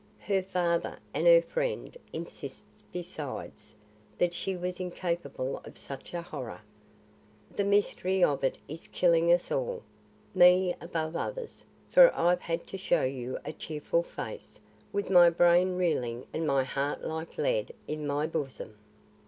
Her father and her friend insist besides, that she was incapable of such a horror. The mystery of it is killing us all; me above others, for I've had to show you a cheerful face, with my brain reeling and my heart like lead in my bosom."